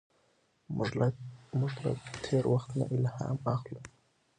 موږ له تېر وخت نه الهام اخلو.